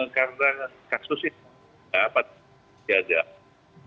karena kasus ini tidak dapat diadakan